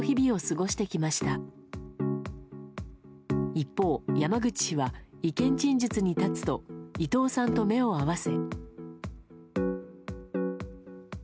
一方、山口氏は意見陳述に立つと伊藤さんと目を合わせ。